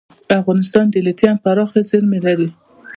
افغانستان د لیتیم پراخې زیرمې لري.